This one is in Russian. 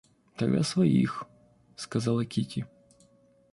Тогда своих... — сказала Кити.